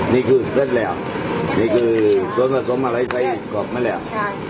นี่คือเส้นแล้วนี่คือส้มอะไรไซม์กรอบมาแล้ว